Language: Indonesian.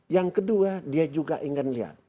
yang kedua dia juga ingin lihat